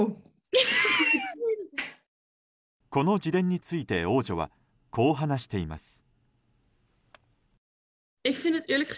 この自伝について王女はこう話しています。